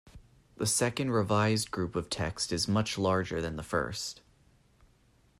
The second, revised group of texts is much larger than the first.